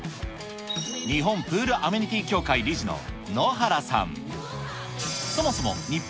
日本プールアメニティ協会理事の野原さん。